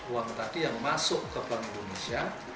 uang tadi yang masuk ke bank indonesia